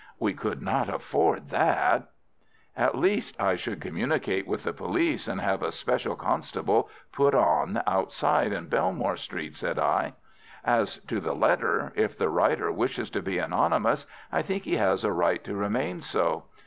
"We could not afford that." "At least, I should communicate with the police, and have a special constable put on outside in Belmore Street," said I. "As to the letter, if the writer wishes to be anonymous, I think he has a right to remain so.